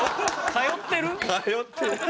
通ってる。